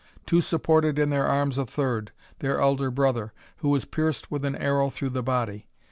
Two supported in their arms a third, their elder brother, who was pierced with an arrow through the body.